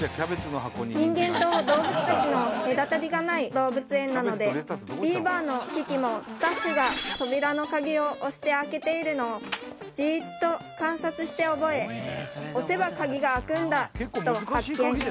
人間と動物たちの隔たりがない動物園なのでビーバーのキキもスタッフが扉の鍵を押して開けているのをジーッと観察して覚え押せば鍵が開くんだと発見